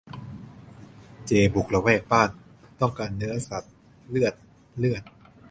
เจบุกละแวกบ้าน ต้องการเนื้อสัตว์ เลือด เลือด